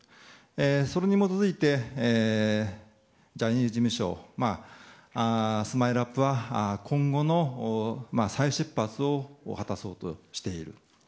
それに基づいてジャニーズ事務所ＳＭＩＬＥ‐ＵＰ．は今後の再出発を果たそうとしている。